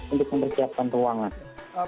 untuk mempersiapkan ruangan